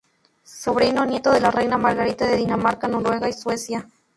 Sobrino nieto de la reina Margarita de Dinamarca, Noruega y Suecia.